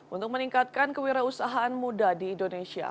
untuk meningkatkan kewirausahaan muda di indonesia